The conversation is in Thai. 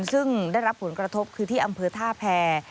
ซึ่งได้รับผลกระทบคือที่อำเภอท่าแพร